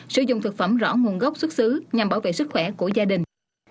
sử dụng thực phẩm rõ nguồn gốc xuất xứ nhằm bảo vệ sức khỏe của gia đình